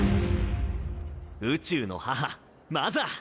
宇宙の母マザー。